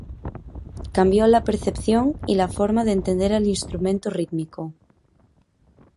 Cambió la percepción y la forma de entender al instrumento rítmico.